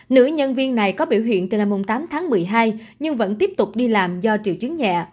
nữ nhân viên này có biểu hiện từ ngày tám tháng một mươi hai nhưng vẫn tiếp tục đi làm do triệu chứng nhẹ